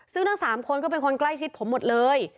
ซึ่งทั้ง๓คนก็เป็นคนใกล้ชิดผมหมดเลย